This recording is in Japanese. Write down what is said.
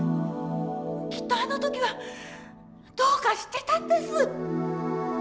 きっとあの時はどうかしてたんです。